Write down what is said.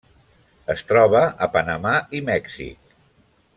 Es troba a Panamà i Mèxic.